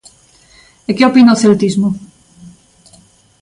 E que opina o celtismo?